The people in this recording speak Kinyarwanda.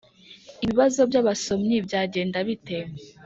Ibibazo by abasomyi Byagenda bite